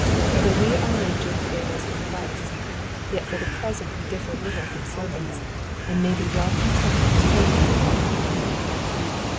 Though we are made joint heirs with Christ, yet for the present we differ little from servants, and may be well content to take them for our model.